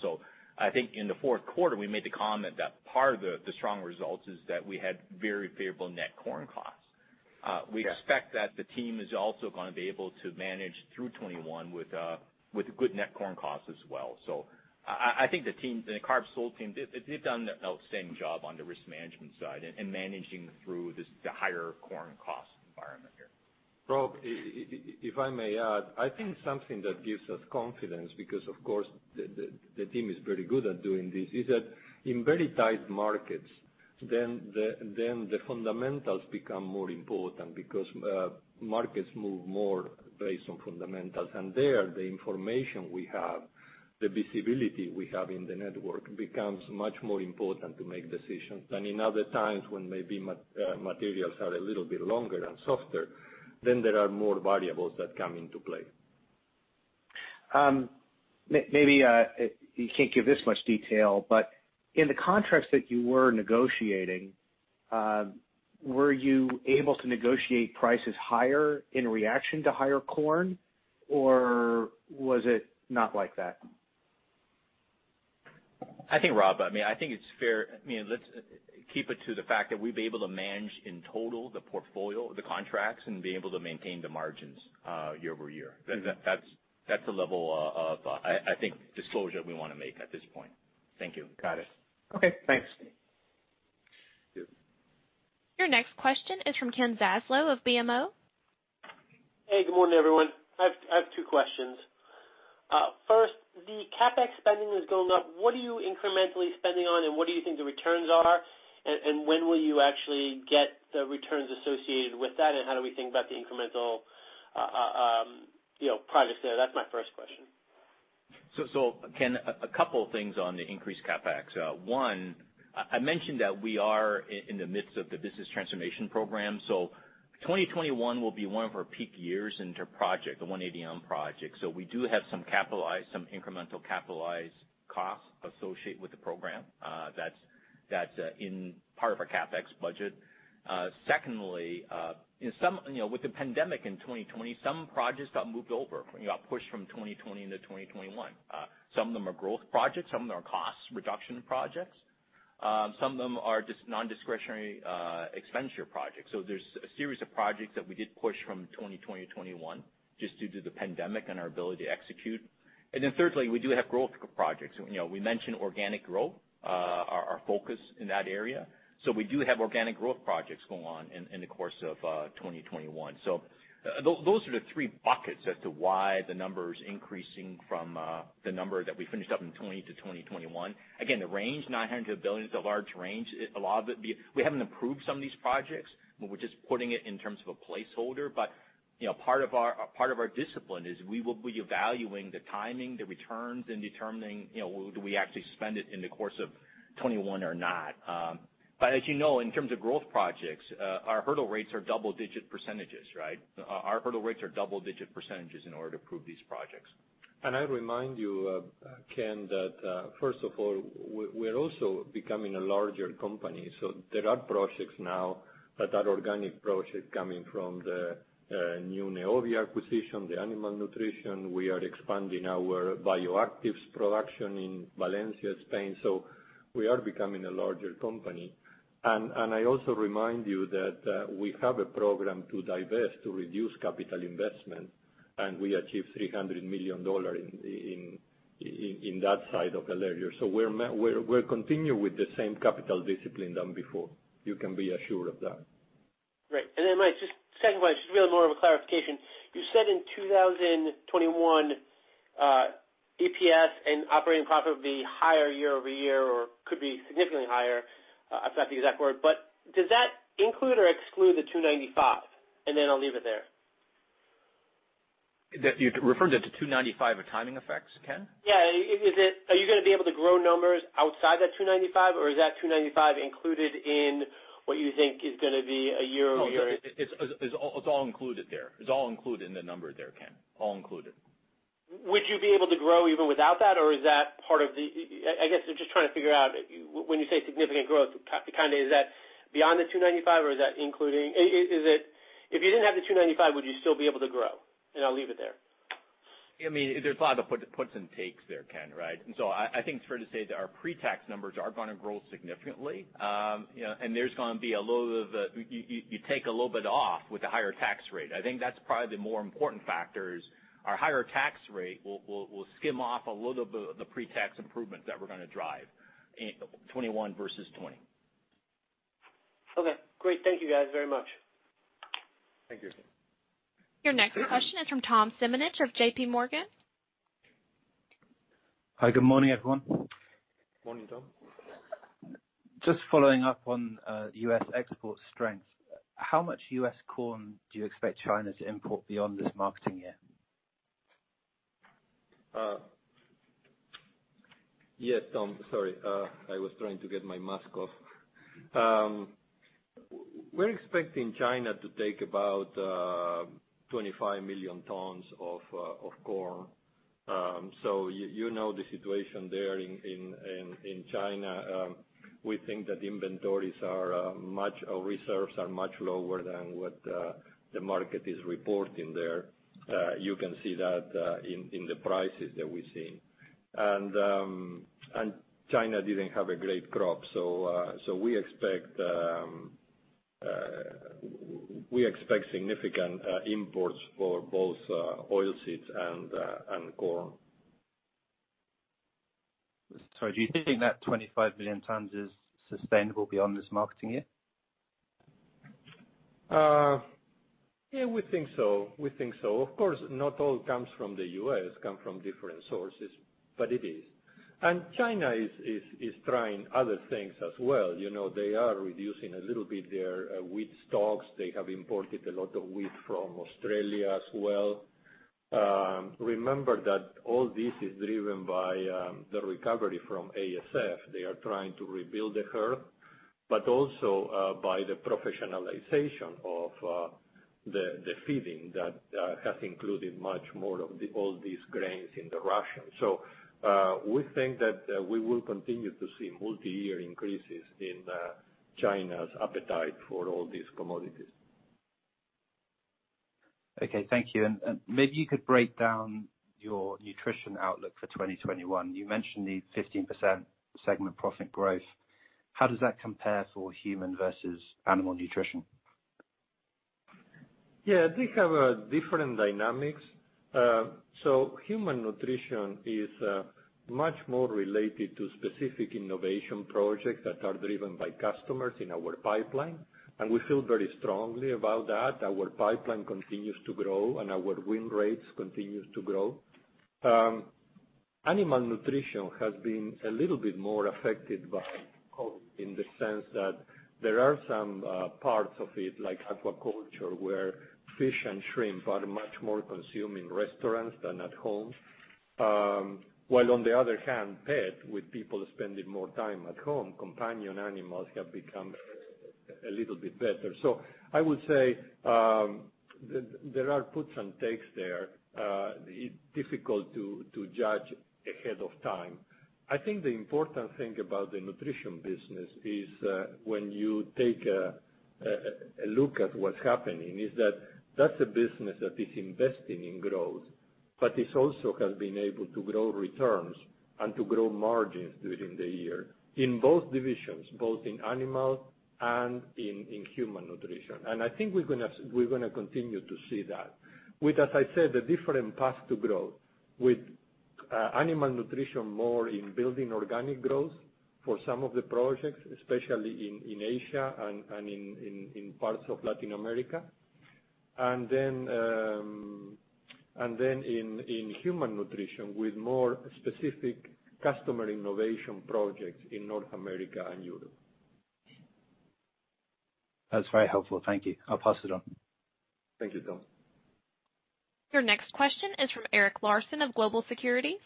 I think in the fourth quarter, we made the comment that part of the strong results is that we had very favorable net corn costs. We expect that the team is also going to be able to manage through 2021 with good net corn costs as well. I think the CarbSol team, they've done an outstanding job on the risk management side and managing through the higher corn cost environment here. Rob, if I may add, I think something that gives us confidence, because of course the team is very good at doing this, is that in very tight markets. The fundamentals become more important because markets move more based on fundamentals. There, the information we have, the visibility we have in the network, becomes much more important to make decisions than in other times when maybe materials are a little bit longer and softer, then there are more variables that come into play. Maybe you can't give this much detail, but in the contracts that you were negotiating, were you able to negotiate prices higher in reaction to higher corn, or was it not like that? I think, Rob, I think it's fair. Let's keep it to the fact that we'd be able to manage in total the portfolio, the contracts, and be able to maintain the margins year-over-year. That's the level of, I think, disclosure we want to make at this point. Thank you. Got it. Okay, thanks. Sure. Your next question is from Ken Zaslow of BMO. Hey, good morning, everyone. I have two questions. First, the CapEx spending is going up. What are you incrementally spending on, and what do you think the returns are? When will you actually get the returns associated with that, and how do we think about the incremental CapEx there? That's my first question. Ken, a couple things on the increased CapEx. One, I mentioned that we are in the midst of the business transformation program. 2021 will be one of our peak years into project, the 1ADM project. We do have some incremental capitalized costs associated with the program. That's in part of our CapEx budget. Secondly, with the pandemic in 2020, some projects got moved over, got pushed from 2020 into 2021. Some of them are growth projects, some of them are cost reduction projects. Some of them are just non-discretionary expenditure projects. There's a series of projects that we did push from 2020-2021, just due to the pandemic and our ability to execute. Thirdly, we do have growth projects. We mentioned organic growth, our focus in that area so we do have organic growth projects going on in the course of 2021. Those are the three buckets as to why the number's increasing from the number that we finished up in 2020-2021. The range, $900 million is a large range. We haven't approved some of these projects and we're just putting it in terms of a placeholder. Part of our discipline is we will be evaluating the timing, the returns, and determining, do we actually spend it in the course of 2021 or not. As you know, in terms of growth projects, our hurdle rates are double-digit percentages. Our hurdle rates are double-digit percentages in order to approve these projects. I remind you, Ken, that first of all, we're also becoming a larger company. There are projects now that are organic projects coming from the new Neovia acquisition, Animal Nutrition. we are expanding our bioactives production in Valencia, Spain. We are becoming a larger company. I also remind you that we have a program to divest, to reduce capital investment, and we achieved $300 million in that side of Alhaurín. We're continuing with the same capital discipline than before. You can be assured of that. Great. Just second question, really more of a clarification. You said in 2021, EPS and operating profit would be higher year-over-year or could be significantly higher. I forgot the exact word, does that include or exclude the 295? I'll leave it there. You're referring to 295 of timing effects, Ken? Yeah. Are you going to be able to grow numbers outside that 295, or is that 295 included in what you think is going to be a year-over-year? No, it's all included there. It's all included in the number there, Ken. All included. Would you be able to grow even without that, or is that part of the I guess I'm just trying to figure out, when you say significant growth, kind of is that beyond the 295 or is that including? If you didn't have the 295, would you still be able to grow? I'll leave it there. There's a lot of puts and takes there, Ken. I think it's fair to say that our pre-tax numbers are going to grow significantly. There's going to be a little of the, you take a little bit off with the higher tax rate. I think that's probably the more important factors. Our higher tax rate will skim off a little bit of the pre-tax improvement that we're going to drive in 2021 versus 2020. Okay, great. Thank you guys very much. Thank you. Your next question is from Tom Simonitsch of JPMorgan. Hi, good morning, everyone. Morning, Tom. Just following up on U.S. export strength. How much U.S. corn do you expect China to import beyond this marketing year? Yes, Tom. Sorry. I was trying to get my mask off. We're expecting China to take about 25 million tons of corn. You know the situation there in China. We think that inventories are much, or reserves are much lower than what the market is reporting there. You can see that in the prices that we're seeing. China didn't have a great crop, so we expect significant imports for both oil seeds and corn. Sorry, do you think that 25 million tons is sustainable beyond this marketing year? Yeah, we think so. Of course, not all comes from the U.S., comes from different sources, but it is. China is trying other things as well. They are reducing a little bit their wheat stocks. They have imported a lot of wheat from Australia as well. Remember that all this is driven by the recovery from ASF. They are trying to rebuild the herd, but also by the professionalization of the feeding that has included much more of all these grains in the ration. We think that we will continue to see multi-year increases in China's appetite for all these commodities. Okay. Thank you. Maybe you could break down your Nutrition outlook for 2021. You mentioned the 15% segment profit growth. How does that compare for human versus Animal Nutrition? Yeah, they have different dynamics. Human Nutrition is much more related to specific innovation projects that are driven by customers in our pipeline, and we feel very strongly about that. Our pipeline continues to grow, and our win rates continues to grow. Animal Nutrition has been a little bit more affected by COVID in the sense that there are some parts of it, like aquaculture, where fish and shrimp are much more consumed in restaurants than at home. While on the other hand, pet, with people spending more time at home, companion animals have become a little bit better. I would say, there are puts and takes there. It's difficult to judge ahead of time. I think the important thing about the Nutrition business is, when you take a look at what's happening, is that that's a business that is investing in growth, but it also has been able to grow returns and to grow margins during the year in both divisions, both in animal and in Human Nutrition. I think we're going to continue to see that with, as I said, the different paths to growth, Animal Nutrition more in building organic growth for some of the projects, especially in Asia and in parts of Latin America. Then in Human Nutrition, with more specific customer innovation projects in North America and Europe. That's very helpful. Thank you. I'll pass it on. Thank you, Tom. Your next question is from Eric Larson of Global Securities.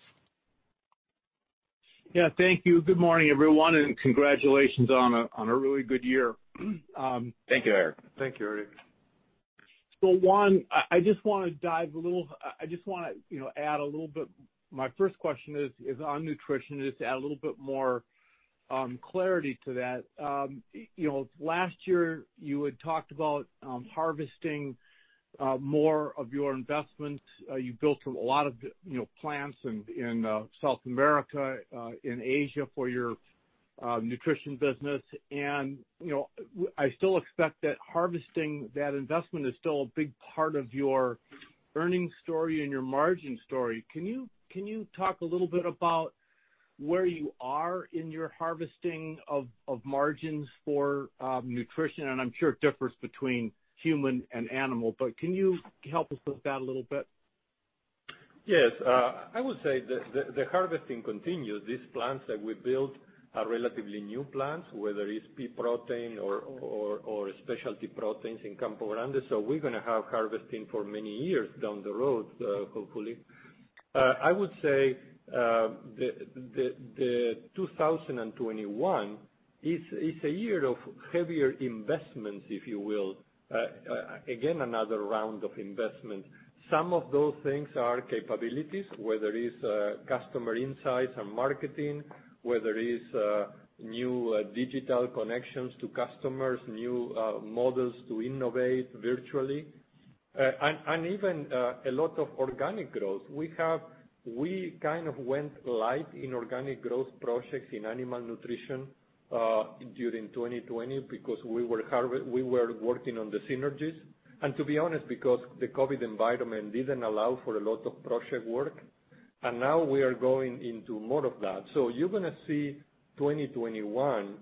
Yeah, thank you. Good morning, everyone, and congratulations on a really good year. Thank you, Eric. Thank you, Eric. Juan, I just want to add a little bit. My first question is on Nutrition, just to add a little bit more clarity to that. Last year, you had talked about harvesting more of your investment. You built a lot of plants in South America, in Asia for your Nutrition business. I still expect that harvesting that investment is still a big part of your earnings story and your margin story. Can you talk a little bit about where you are in your harvesting of margins for Nutrition? I'm sure it differs between human and animal, but can you help us with that a little bit? Yes. I would say the harvesting continues. These plants that we built are relatively new plants, whether it's pea protein or specialty proteins in Campo Grande. We're going to have harvesting for many years down the road, hopefully. I would say, the 2021 is a year of heavier investments, if you will. Again, another round of investment. Some of those things are capabilities, whether it's customer insights and marketing, whether it's new digital connections to customers, new models to innovate virtually, and even a lot of organic growth. We kind of went light in organic growth projects Animal Nutrition during 2020, because we were working on the synergies, and to be honest, because the COVID environment didn't allow for a lot of project work. Now we are going into more of that and you're going to see 2021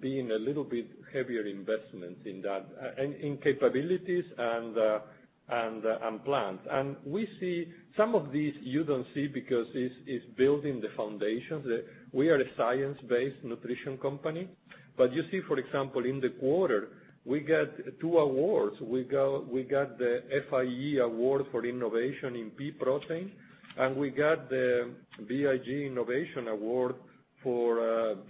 being a little bit heavier investment in that, in capabilities and plants. And some of these you don't see because it's building the foundations. We are a science-based nutrition company. You see, for example, in the quarter, we got two awards. We got the FiE Award for innovation in pea protein, and we got the BIG Innovation Award for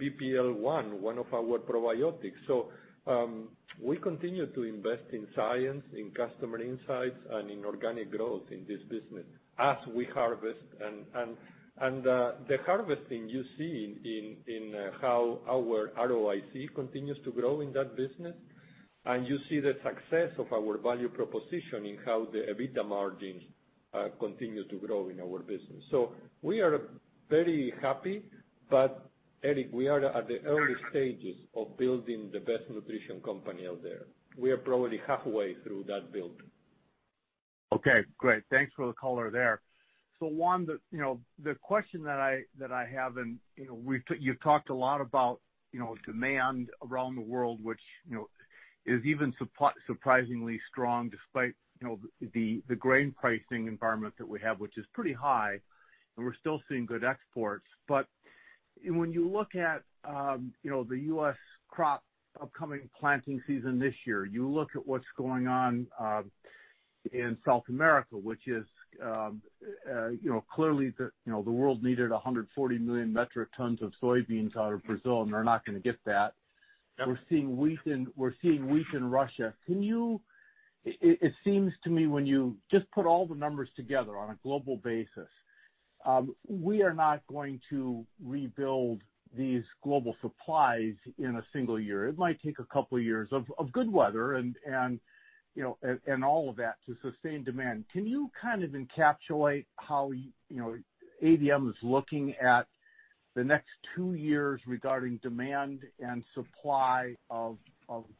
BPL1, one of our probiotics. We continue to invest in science, in customer insights, and in organic growth in this business as we harvest. The harvesting you see in how our ROIC continues to grow in that business. You see the success of our value proposition in how the EBITDA margins continue to grow in our business. We are very happy, but Eric, we are at the early stages of building the best nutrition company out there. We are probably halfway through that building. Okay, great. Thanks for the color there. Juan, the question that I have, and you've talked a lot about demand around the world, which is even surprisingly strong despite the grain pricing environment that we have, which is pretty high, and we're still seeing good exports. When you look at the U.S. crop upcoming planting season this year, you look at what's going on in South America, which is clearly the world needed 140 million metric tons of soybeans out of Brazil, and they're not going to get that. Yep. We're seeing wheat in Russia. It seems to me, when you just put all the numbers together on a global basis, we are not going to rebuild these global supplies in a single year. It might take a couple of years of good weather and all of that to sustain demand. Can you kind of encapsulate how ADM is looking at the next two years regarding demand and supply of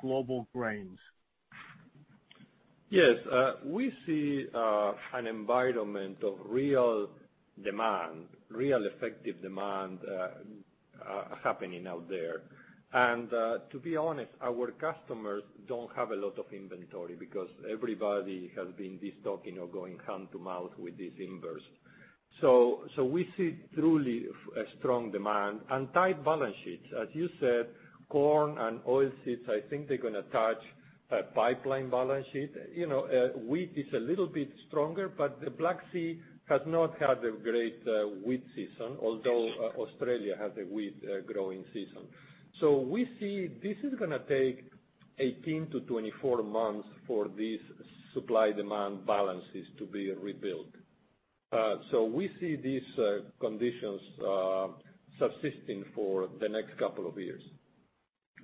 global grains? Yes. We see an environment of real demand, real effective demand, happening out there. To be honest, our customers don't have a lot of inventory because everybody has been destocking or going hand to mouth with these inverse. We see truly a strong demand and tight balance sheets. As you said, corn and oilseeds, I think they're going to touch a pipeline balance sheet. Wheat is a little bit stronger, but the Black Sea has not had a great wheat season, although Australia has a wheat growing season. We see this is going to take 18-24 months for these supply-demand balances to be rebuilt. We see these conditions subsisting for the next couple of years,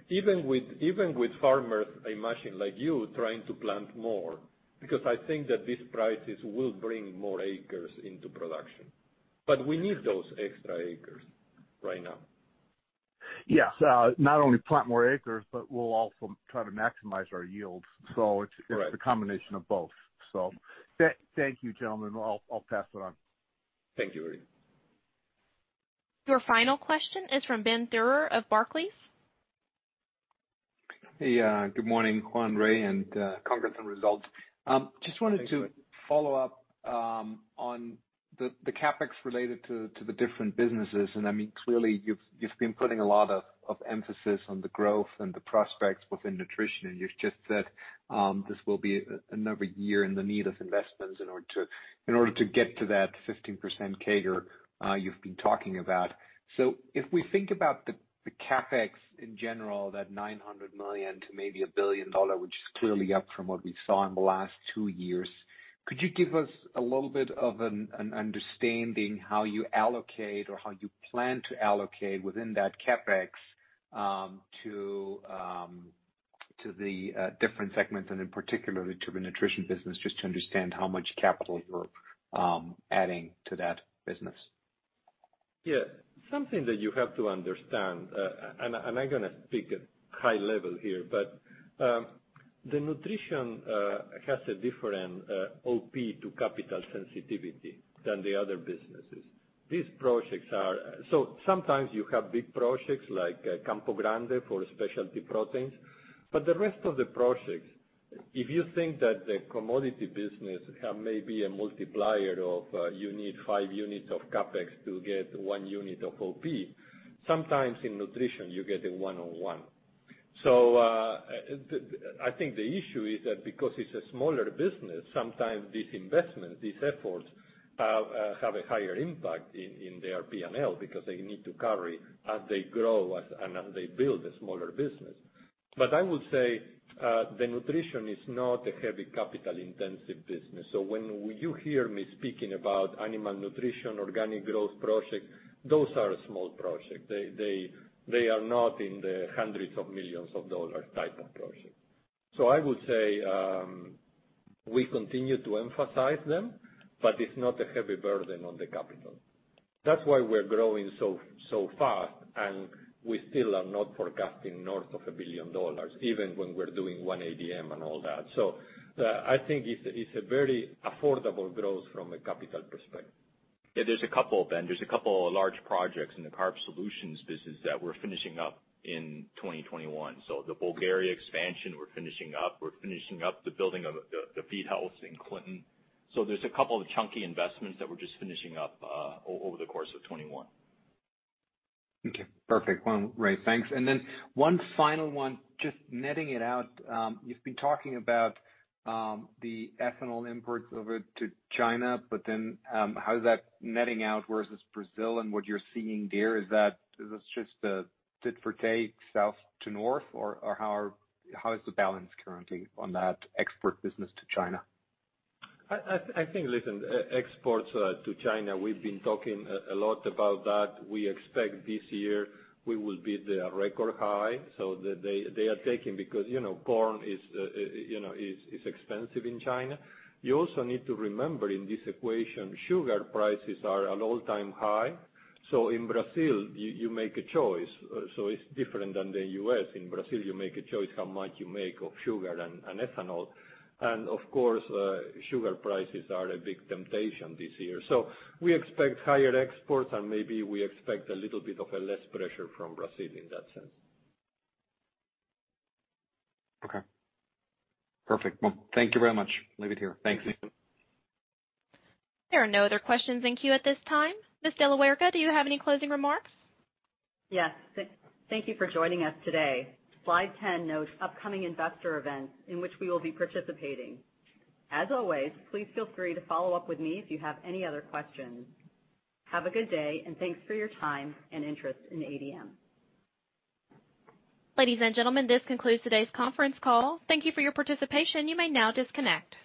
even with farmers, I imagine, like you, trying to plant more, because I think that these prices will bring more acres into production. We need those extra acres right now. Yes. Not only plant more acres, but we'll also try to maximize our yields. Right. It's a combination of both. Thank you, gentlemen. I'll pass it on. Thank you, Ray. Your final question is from Ben Theurer of Barclays. Hey, good morning, Juan, Ray, and congrats on results. Thanks, Ben. Just wanted to follow up on the CapEx related to the different businesses. I mean, clearly, you've been putting a lot of emphasis on the growth and the prospects within Nutrition, and you've just said this will be another year in the need of investments in order to get to that 15% CAGR you've been talking about. If we think about the CapEx in general, that $900 million to maybe $1 billion, which is clearly up from what we saw in the last two years, could you give us a little bit of an understanding how you allocate or how you plan to allocate within that CapEx to the different segments and in particular to the Nutrition business, just to understand how much capital you're adding to that business? Something that you have to understand, I'm going to speak at high level here, the Nutrition has a different OP to capital sensitivity than the other businesses. Sometimes you have big projects like Campo Grande for specialty proteins, but the rest of the projects, if you think that the commodity business have maybe a multiplier of you need five units of CapEx to get one unit of OP, sometimes in Nutrition, you get a one-on-one. I think the issue is that because it's a smaller business, sometimes these investments, these efforts, have a higher impact in their P&L because they need to carry as they grow and as they build a smaller business. I would say the Nutrition is not a heavy capital-intensive business. When you hear me speaking Animal Nutrition, organic growth projects, those are small projects. They are not in the hundreds of millions of dollars type of projects. I would say, we continue to emphasize them, but it's not a heavy burden on the capital. That's why we're growing so fast, and we still are not forecasting north of $1 billion, even when we're doing 1ADM and all that. I think it's a very affordable growth from a capital perspective. Yeah, there's a couple, Ben. There's a couple of large projects in the Carb Solutions business that we're finishing up in 2021. The Bulgaria expansion, we're finishing up. We're finishing up the building of the Feedhouse in Clinton. There's a couple of chunky investments that we're just finishing up over the course of 2021. Okay, perfect. Juan, Ray, thanks. One final one, just netting it out. You've been talking about the ethanol imports over to China, how is that netting out versus Brazil and what you're seeing there? Is this just a tit for tat, south to north, or how is the balance currently on that export business to China? I think, listen, exports to China, we've been talking a lot about that. We expect this year we will be at a record high. They are taking because corn is expensive in China. You also need to remember in this equation, sugar prices are at all-time high. In Brazil, you make a choice. It's different than the U.S. In Brazil, you make a choice how much you make of sugar and ethanol. Of course, sugar prices are a big temptation this year. We expect higher exports, and maybe we expect a little bit of a less pressure from Brazil in that sense. Okay. Perfect. Thank you very much. Leave it here. Thanks. There are no other questions in queue at this time. Ms. De La Huerga, do you have any closing remarks? Yes. Thank you for joining us today. Slide 10 notes upcoming investor events in which we will be participating. As always, please feel free to follow up with me if you have any other questions. Have a good day, thanks for your time and interest in ADM. Ladies and gentlemen, this concludes today's conference call. Thank you for your participation. You may now disconnect.